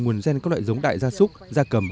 nguồn gen các loại giống đại gia súc gia cầm